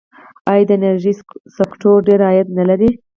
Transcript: آیا د انرژۍ سکتور ډیر عاید نلري؟